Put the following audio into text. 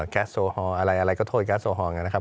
แก๊สโซฮอลอะไรอะไรก็โทษแก๊สโอฮอลนะครับ